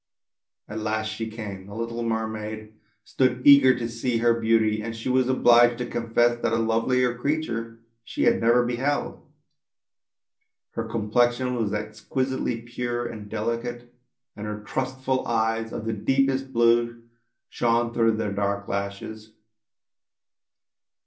At last she came. The little mermaid stood eager to see her beauty, and she was obliged to confess that a lovelier creature she had never beheld. Her complexion was exquisitely pure and delicate, and her trustful eyes of the deepest blue shone through their dark lashes.